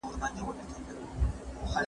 شاګرد د موضوع سرچیني څنګه پیدا کوي؟